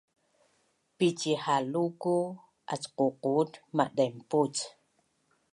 Picihaluku acququt madaimpuc